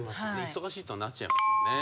忙しいとなっちゃいますね。